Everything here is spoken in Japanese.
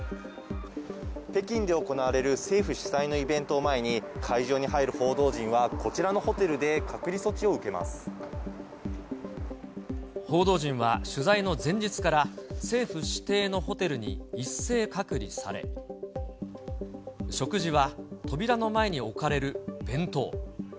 北京で行われる政府主催のイベントを前に、会場に入る報道陣は、こちらのホテルで隔離措置を報道陣は取材の前日から、政府指定のホテルに一斉隔離され、食事は扉の前に置かれる弁当。